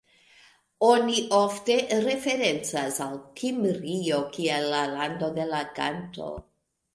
Oni ofte referencas al Kimrio kiel la "lando de la kanto".